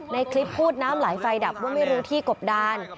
ในคลิปพูดน้ำไหลไฟดับว่าไม่รู้ที่กบดาน